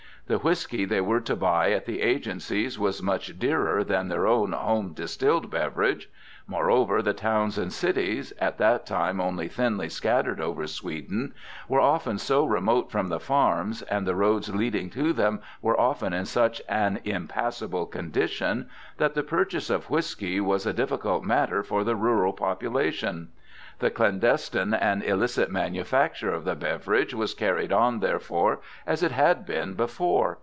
The whiskey they were to buy at the agencies was much dearer than their own home distilled beverage; moreover, the towns and cities, at that time only thinly scattered over Sweden, were often so remote from the farms, and the roads leading to them were often in such an impassable condition that the purchase of whiskey was a difficult matter for the rural population. The clandestine and illicit manufacture of the beverage was carried on therefore as it had been before.